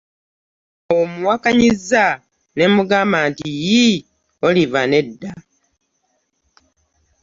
Awo mmuwakanyizza ne mmugamba nti, “Yiii Olive nedda!